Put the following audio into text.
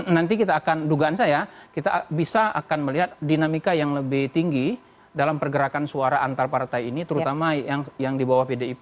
nanti kita akan dugaan saya kita bisa akan melihat dinamika yang lebih tinggi dalam pergerakan suara antar partai ini terutama yang di bawah pdip